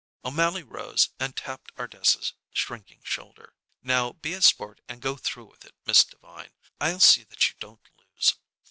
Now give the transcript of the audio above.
O'Mally rose, and tapped Ardessa's shrinking shoulder. "Now, be a sport and go through with it, Miss Devine. I'll see that you don't lose.